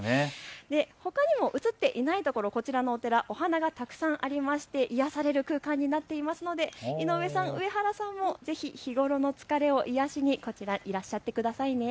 ほかにも映っていないところこちらのお寺、お花がたくさんありまして癒やされる空間になっていますので、井上さん、上原さんもぜひ日頃の疲れを癒やしに、こちらへいらっしゃってくださいね。